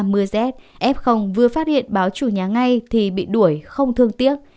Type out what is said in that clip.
mưa rét f vừa phát hiện báo chủ nhà ngay thì bị đuổi không thương tiếc